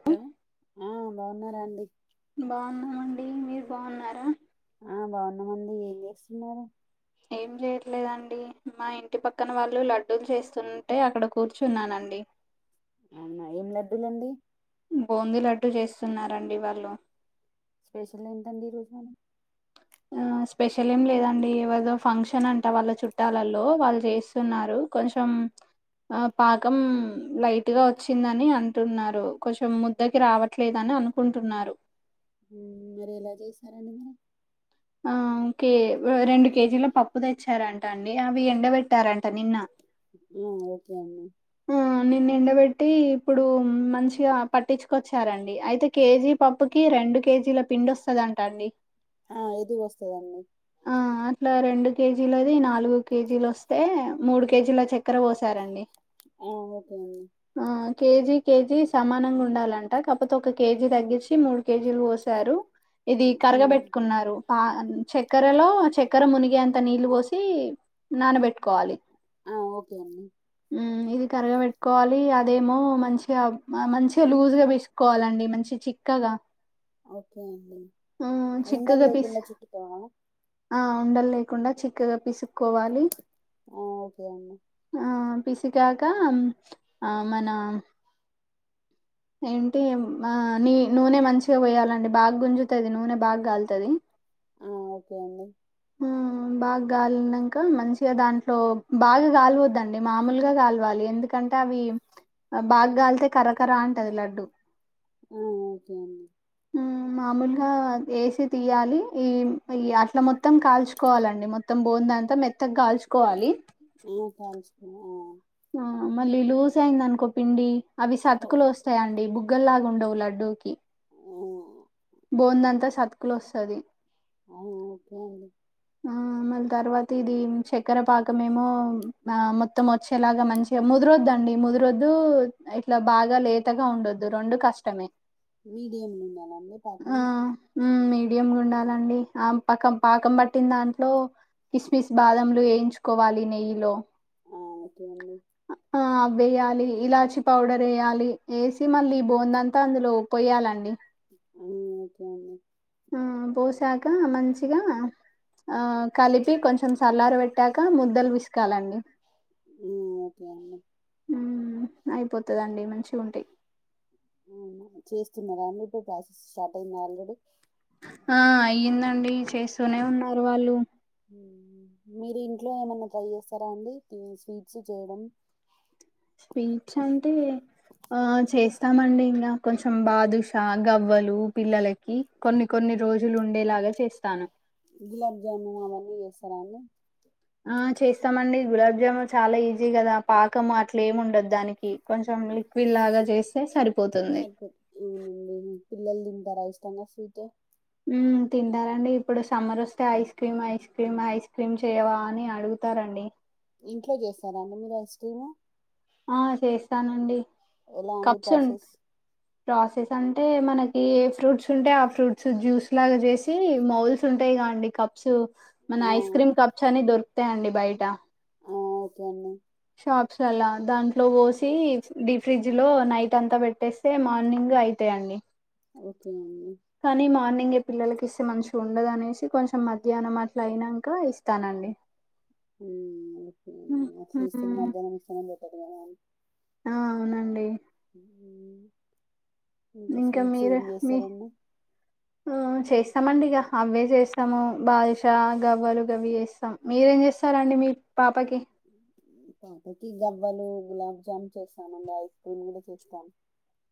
Hello ఆ బాగున్నారా అండి బాగున్నామండి మీరు బావున్నారా ఆ బాగున్న మండి ఏం చేస్తున్నారు ఏం జెయట్లేదండి మా ఇంటి పక్కన వాళ్ళు లడ్డూలు చేస్తుంటే అక్కడ కూర్చున్నానండి అవునా ఏం లడులండి బోందీ లడ్డు జేస్తున్నరు వాళ్ళు స్పెషల్ ఏంటి అండి ఈరోజు మరి ఉ ఆ స్పెషల్ ఏం లేదండిఎవరిదో ఫంక్షన్ అంట వాళ్ళ చుట్టాలలో వాళ్ళు చేస్తున్నారు కొంచెం ఆ పాకం లైట్గా వచ్చిందని అంటున్నారు కొంచెం ముద్దగ రావట్లేదని అనుకుంటున్నారు మీరు ఎలా చేశారని ఆ ఓకే రెండు కేజీల పప్పు తెచ్చారంట అండి అవి ఎండ పెట్టారంటా నిన్న నొ ఓకే అమ్మ నిన్ను ఎండబెట్టి ఇప్పుడు మంచిగా పట్టించ్చుకొచ్చారండి అయితే కేజీ పప్పుకి రెండు కేజీల పిండొస్తదంటండి ఆ ఎదిగొస్తదండి ఇట్లా రెండు కేజీలది నాలుగు కేజీలొస్తే మూడు కేజీల చక్కెర పోసారండి ఆ ఓకే అండి ఆ కేజీ కేజీ సమానంగుండాలంట కాపోతే ఒక కేజీ తగ్గిచ్చి మూడు కేజీలు పోసారు ఇది మ్మ్. కరగబెట్ నారు పా చక్కెరలో చక్కెర మునిగే అంత నీళ్లు పోసి నానబెట్టుకోవాలి ఆ ఓకే అండి మ్ ఇది కరగ పెట్టుకోవాలి అదేమో మంచిగా మంచిగా లూజుగా పిసుక్కోవాలండి మంచి చిక్కగా ఓకే అండి ఆ చిక్కగా ఉండల్లేకుండ పీస్ చుట్టుకోనా ఆ ఉండల్లేకుండా చిక్కగా పిసు క్కోవాలి ఆ ఓకే అండి ఆ పిసికాక ఆ మన ఏంటి ఆ నీ నూనె మంచిగా పోయాలండి బాగ్ గుంజు తది నూనె బాగ్గాల్తది ఆ ఓకే అండి మ్ బా గ్గాలినంక మంచిగా దాంట్లో బాగా గాలువద్దండి మామూలుగా కాల్వాలి ఎందుకంటే అవి బాగ్గాలితే కరకర అంటది లడ్డు ఉ ఓకే అండి మ్ మామూలు అ ఏసి తియ్యాలి ఈ అట్లా మొత్తం కాల్చుకోవాలండి మొత్తం బోందంతా మెత్తగా కాల్చుకోవాలి [inaudible] కాల్చుకున్నా ఆ మళ్ళీ లూస్ అయ్యిందనుకో పిండి అవి ఆ ఓ- సతుకులు వస్తాయండి బు గల్లాగుండవు లడ్డూకి ఆ బోందంతా సతుకులొస్ తది ఆ ఓకే అండి ఆ మళీ తర్వాత ఇది చక్కెర పాకమేమో ఆ మొత్తం చ్చే లాగా మంచిగా ముదురొద్దు అండి ముదురొద్దు ఇట్లా బాగా లేతగా ఉండొద్దు రెండు కష్టమే మీడియం ఉండాలండి పాకం ఆ మీడియం గుండాలండి ఆ పకం పాకం పట్టిన్ దాంట్లో కిస్మిస్ బాదంలు ఏయించుకోవాలి నెయ్యి లో ఆ ఓకేనండి ఆ అవ్వెయాలి ఇలాచి పౌడర్ ఎయ్యాలి ఏసి మళ్ళీ బోందంతా అందులో పొయ్యాలండి అ ఓకే అండి ఆ పోసాక మంచిగా ఆ కలిపి కొంచెం సల్లారు పెట్టాక ముద్దలు పిసుకాలండి మ్ ఓకే అండి మ్ అయిపోతదండి మంచిగుంటయి మ్ చేస్తున్నరా అండి ఇప్పుడు ప్రాసెస్ స్టార్ట్ అయిందా ఆల్రెడీ ఆ అయ్యిందండి చేస్తూనే ఉన్నారు వాళ్ళు మీరు ఇంట్లో ఏమైనా ట్రై చేస్తారా అండి స్వీట్స్ చేయడం స్వీట్స్ అంటే ఆ చేస్తామండి ఇంకా కొంచెం బాదుషా గవ్వలు పిల్లలకి కొన్ని కొన్ని రోజులు ఉండేలాగా చేస్తాను గులాబ్ జాము అవన్నీ చేస్తారండి ఆ చేస్తామండి గులాబ్ జామ్ చాలా ఈజీ కదా పాకము అట్లే ఏమి ఉండదు దానికి కొంచెం లిక్విడ్ లాగా చేస్తే సరిపోతుంది సరిపోద్ది. అవునండి. పిల్లలు తింటారా ఇష్టంగా స్వీట్ తింటారండి ఇప్పుడు సమ్మర్ వస్తే ice cream ice cream ice cream చేయవా అని అడుగుతారండి ఇంట్లో చేస్తారా అండి మీరు ఐస్ క్రీము ఆ చేస్తానండి ఎలా అండి కప్స్ ఉం ప్రాసెస్? ప్రసెస్ అ అంటే మనకి ఏ ఫ్రూట్స్ ఉంటాయి ఆ ఫ్రూట్స్ జ్యూస్ లాగా చేసి మౌల్స్ ఉంటాయి కా అండి కప్స్ మన ఆ! ఐస్ క్రీమ్ కప్స్ అని దొరుకుతాయిండి బయట ఓకే అండి కప్స్ అలా దాంట్లో పోసి డీ ఫ్రిజ్లో లో నైట్ అంతా పెట్టేస్తే మార్నింగ్ అయితాయండి ఓకే అండి ఇంకా పిల్లలకి ఇస్తే మంచిగా ఉండదునేసి కొంచెం మధ్యాహ్నం అట్లా అయినాక ఇస్తానండి హ్మ్, అట్లీస్తేనే హ్మ్. మధ్యానం ఇస్తానే బెటర్ కదండీ ఆ అవునండి ఇంకా స్వీట్స్ మీరు ఏం మీ చేస్తారండి? ఆ చేస్త చమండిగా అవే చేస్తాము బాదుషా గవ్వలు గవి చేస్తాము మీరేం చేస్తారండి మీ పాపకి పాపకి గవ్వలు గులాబ్ జామ్ చేస్తామండి ఐస్ క్రీమ్ కూడా చేస్తాం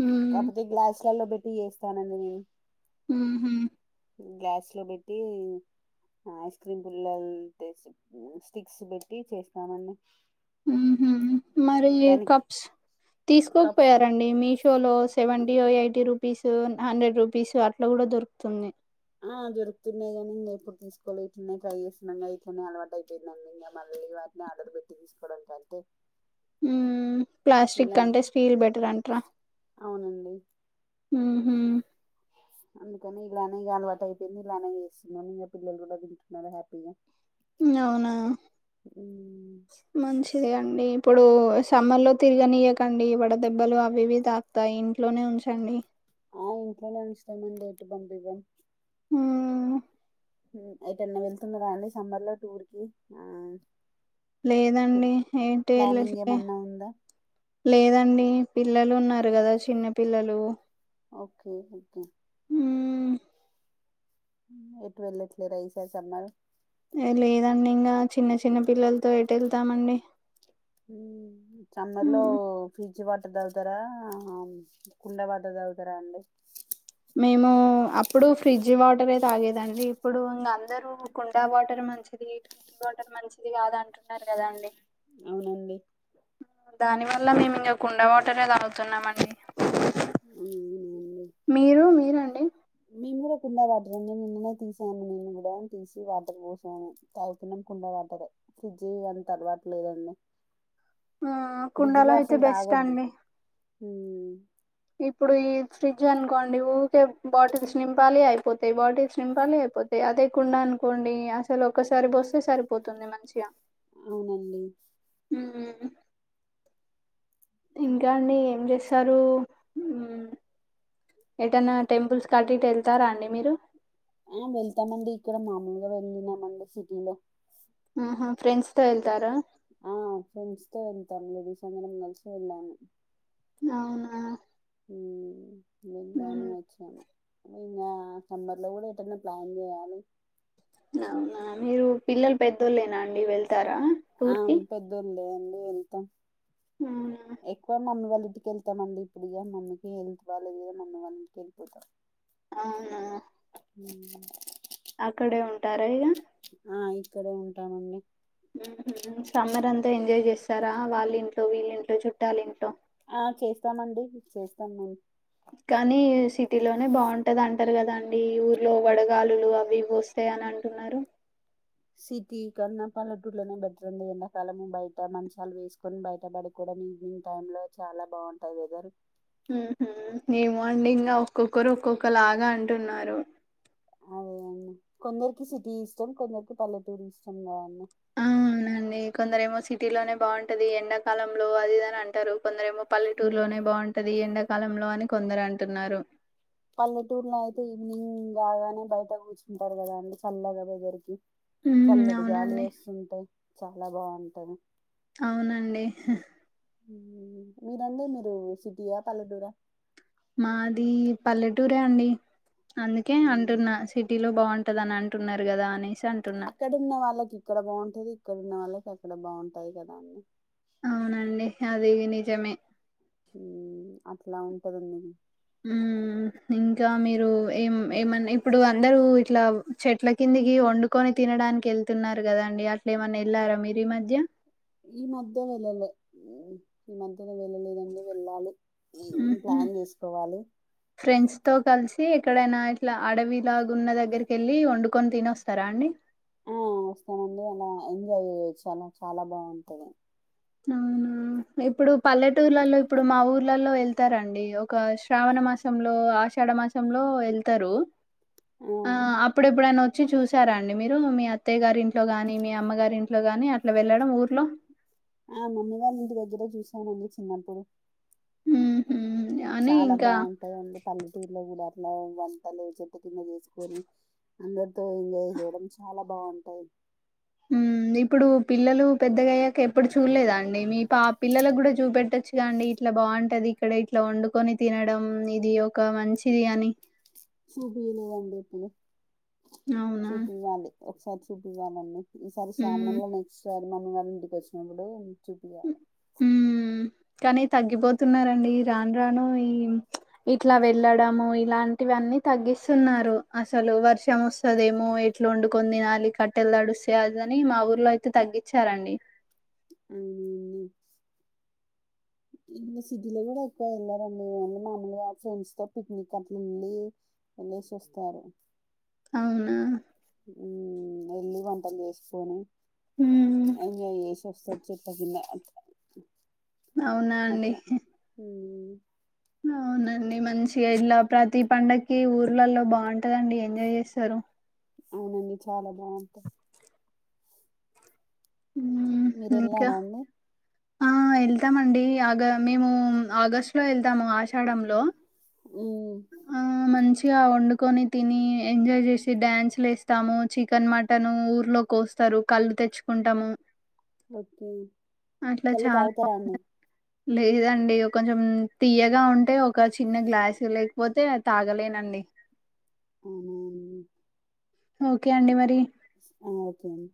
మ్మ్, కాకపోతే గ్లాస్ కల్లో పెట్టి చేస్తానండి నేను ఓహో గ్లాస్లో పెట్టి ఐస్ క్రీమ్ పుల్లలు స్టిక్స్ పెట్టి చేసు సామాన్యం మరి దానికి కప్స్ కప్స్ తీసుకోకపోయారండి మీషోలో సెవెంటీ ఎయిటీ రూ రపీసు హండ్రెడ్ రూపీసు అట్లా కూడా దొరుకుతుంది ఆ జరుగుతున్నాయి గానీ ఇంకా ఇప్పుడు తీసుకోవి ఇట్లనే ట్రై చేసిన ఇట్లనే అలవాటు అయిపోయిందండి ఇంకా మళ్ళీ వాటిని ఆర్డర్ పెట్టి తీసుకోవడానికింటే ప్లాస్టిక్ ఇలానే అంటే స్టీల్ బెటర్ అంటరా అవునండి హ హ అందుకని ఇలానే అలవాటు అయిపోయింది ఇలానే చేస్తున్నా ఇంకా పిల్లలు కూడా తింటున్నారు హ్యాపీగా అవునా ఉమ్, మంచిది అండి అ ఇప్పుడు సమ్మర్ లో తిరగనియకండి వడ దెబ్బలు అవి ఇవి తాకుతాయి ఇంట్లోనే ఉంచండి ఆ ఇంట్లోనే ఉంచతామండి ఎటు పంపివ్వం ఆ ఏటన్న వెళ్తున్నారా అండి సమ్మర్ లో టూర్ కి లేదండి ప్లా- ఏంటిట్ ప్లానింగ్ వెళ్లట్లే ఏమన్నా ఉందా లేదండి పిల్లలు ఉన్నారు కదా చిన్న పిల్లలు ఓకే ఓకే మ్మ్ ఎటు వెళ్ళట్లేదా ఈ సారి సమ్మర్ లేదండి ఇంకా చిన్న చిన్న పిల్లలతో ఎట వెళ్తామండి హ సమ్మర్ లో ఫ్రిజ్ వాటర్ తాగుతారా కుండ వాటర్ తాగుతారా అండి మేము అప్పుడు ఫ్రిడ్జ్ వాటరే తాగేదండి ఇప్పుడు ఇంకా అందరూ కుండా వాటర్ మంచిది ఫ్రిడ్జ్ వాటర్ మంచిది కాదు అంటున్నారు కదాండి అవునండి దాని వల్ల మేము ఇంగా కుండ వాటరే తాగుతున్నామండి ఉహు మీరు మీరు అండి మేము కూడా కుండా వాటర్ అండి నిన్ననే తీసాం నేను కూడా తీసి వాటర్ పోసాను తాగుతున్నాం కుండ వాటరే ఫ్రిడ్జి ఇ అంతలవాట్లేదండి ఆ కుండాల అయితే బెస్ట్ అండి ఉం ఇప్పుడు ఈ ఫ్రిడ్జ్ అనుకోండి ఊరికే బాటిల్స్ నింపాలి అయిపోతాయి బాటిల్స్ నింపాలి అయిపోతాయి అదే కుండ అనుకోండి అసలు ఒక్కసారి పోస్తే సరిపోతుంది మంచిగా అవునండి ఉం ఇంకా అండి ఏం చేసి స్తారు ఎటన్న టెంపుల్స్ కట్ ఇటు వెళ్తారా అండి మీరు ఆ వెళ్తామండి ఇక్కడ మామూలుగా వెళ్ళినామండి సిటీలో ఆహా ఫ్రెండ్స్ తో వెల్తారా ఆ ఫ్రెండ్స్ తో వెల్తాన్ ఫ్రెండ్స్ అందరం కలిసి వెళ్ళాము అవునా ఉం వెళ్ళాను ఉమ్, వచ్చాను ఇంగా సమ్మర్లో కూడ ఎటన్న ప్లాన్ చెయాలి అవునా మీరు పిల్లలు పెద్దోళ్లేనా వెల్త్ తారా టూర్కి లే అండి వెళ్తాం ఎక్కువ మమ్మి వాళ్లు ఇంటికెళ్తామండి ఇప్పుడు ఇగా మమ్మీకి హెల్త్ బాలేదుగా మమ్మీ వాళ్ళ ఇంటికి వెళ్ళిపోతాం అవునా [inaudible] అక్కడే ఉంటారా ఇగ ఆ ఇక్కడే ఉంటామండి ఉహు సమ్మర్ అంతా ఎంజాయ్ చేస్తారా వాళ్ళింట్లో వీళ్ళింట్లో చుట్టాల ఇంట్లో ఆ చేస్తామండి చేస్తాం మ కానీ సిటీలోనే బాగుంటది అంటారు కదాండి ఊర్లో వడగాలులు అవి ఇవి వస్తాయని అంటున్నారు సిటీ కన్నా పల్లెటూట్లనే బెటర్ అండీ. ఎండాకాలము బయట మంచాలు వేసుకొని బయట పడుకోవడం ఈవినింగ్ టైం లో చాలా బాగుంటది వెదర్ ఉహు ఏమో అండి ఇంకా ఒక్కొక్కరు ఒక్కొక్క లాగా అంటున్నారు అదే అండి కొందరికి సిటీ ఇష్టం కొందరికి పల్లెటూరు ఇష్టం కదండి ఆ అవునండి కొందరు ఏమో సిటీలోనే బాగుంటది ఎండాకాలంలో అదిది అని అంటారు కొందరు ఏమో పల్లెటూరులోనే బాగుంటది ఎండాకాలంలో అని కొందరు అంటున్నారు పల్లెటూర్ లో అయితే ఈవినింగ్ కాగానే బయట కూర్చుంటారు కదా అండి చల్లగా వెదర్ కి ఉమ్ చల్లటి గాలి అవునండి వస్తుంటాయి చాలా బాగుంటది అవునండి మీరండి మీరు సిటీయా పల్లెటూరా మాది పల్లెటూరే అండి అందుకే ఉమ్, అంటున్నా సిటీ లో బాగుం పదంటున్నారు కదా అనిసి అక్కడ ఉన్న వాళ్ళకి ఇక్కడ బాగుంటది అక్కడ ఉన్న వాళ్ళకి అక్కడ బాగుంటాయి కదా అని అవునండి అది నిజమే హ్మ్ అట్లా ఉంటది [inaudible] హ్మ్ ఇంకా మీరు ఏం ఏమన్నా ఇప్పుడు అందరూ ఇట్లా చెట్ల కిందికి వండుకొని తినడానికి వెళ్తున్నారు కదా అండి అట్లే ఏమైనా ఎల్లారా ఈ మధ్య ఈ మధ్య వెళ్ళలే ఈ మధ్య వెళ్ళలేదండి వెళ్ళాలి ఈ ఉహు ప్లాన్ వేసుకోవాలి ఫ్రెండ్స్ తో కలిసి ఎక్కడైనా ఇట్లా అడవిలాగు ఉన్న దగ్గరికి వెళ్ళి వండుకొని తిని వస్తారా అండి ఆ వస్తానండి అలా ఎంజాయ్ చేయచ్చు ఆలా చాలా బాగుంటది అవునా ఇప్పుడు పల్లెటూర్లలో ఇప్పుడు మా ఊర్లలో వెళ్తారండి ఒక శ్రావణ మాసంలో ఆషాఢ మాసంలో వెళ్తారు ఆ అప్పుడ ఎప్పుడు న వచ్చి చూసారారండి మీరు మీ అ అత్తయ గారింట్లో గా మీ అమ్మగారి ఇంట్లో లో గాని అట్లా వెళ్ళడం ఊర్లో ఆ మమ్మీ వాళ్ళు ఇంటి దగ్గర చూసామండి చిన్నప్పుడు హ్మ్ చాలా బాగుంటాదండి పల్లెటూరులో కూడా [inaudible] పొద్దున్న చేసుకొని అందరితో ఎంజాయ్ చేయడం చాలా బాగుంటాయి హ్మ్ ఇప్పుడు పిల్లలు పెద్దగాయ్యాక ఎప్పుడు చూడలేదా అండి మీ పా పిల్లలకు కూడా చూపెట్టచ్చుగా అండి ఇట్లా బాగుంటది ఇక్కడ ఇట్లా వండుకొని తినడం ఇది ఒక మంచిది అని చూపియ్యలేదండీ ఎప్పుడు అవునా? చూపివ్వాలి ఒకసారి చూపివ్వాలి అండి ఈసారి హ్మ్. శ్రావణంలో నెక్స్ట్ మా మమ్మీ వాళ్ళ ఇంటికి వచ్చినప్పుడు చూపియాలి హ్మ్. కానీ తగ్గిపోతున్నారండి రాను రాను ఈ ఇట్లా వెళ్ళడము ఇలాంటివి అన్నీ తగ్గిస్తున్నారు అసలు వర్షం వస్తుదేమో ఎట్లా వండుకొని తినాలి కట్టెలు తడుస్తే అదని మా ఊర్లో అయితే తగ్గించారండి హ్మ్ ఇ సిటీలో కూడా ఎక్కువ వెళ్లారండి మమీ మామలుగా ఫ్రెండ్స్ తో పిక్నిక్ అట్లా వెళ్ళి వెళ్ళసి వస్తారు అవునా హ్మ్ వెళ్ళి వంటలు చేసుకొని హ్మ్. ఎంజాయ్ చేసి ఓస్త చెప్పకున్న అవునా అండి అ అవునండి మంచిగా ఇలా ప్రతి పండక్కి ఊర్లలో బాగుంటదండి ఎంజాయ్ చేస్తారు అవునండి చాలా బాగుంటా మ్మ్ మీరు ఇంకా వెళ్ళారా అండి ఆ వెళ్తామండి ఆగ మేము ఆగస్టు లో వెళ్తాము ఆషాఢంలో మ్మ్ గా వండుకొని తిని ఎంజాయ్ చేసి డ్యాన్స్లు ఏస్తాము చికెన్ మటన్ ఊర్లో కోస్తారు కళ్ళు తెచ్చుకు కుంటము ఓకే కల్లు చాలా తాగుతరా అండి లేదండి కొంచెం తీయ్యగా ఉంటే ఒక చిన్న గ్లాస్ లేకపోతే తాగలేనండి అవును ఓకే అండి మరి ఓకే అండి